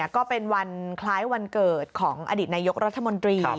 ก็เป็นวันคล้ายวันเกิดของอดีตนายกรัฐมนตรี